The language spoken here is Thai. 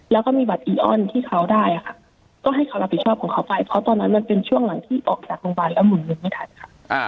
แล้วก็มีบัตรอีออนที่เขาได้ค่ะก็ให้เขารับผิดชอบของเขาไปเพราะตอนนั้นมันเป็นช่วงหลังที่ออกจากโรงพยาบาลแล้วหมุนเงินไม่ทันค่ะ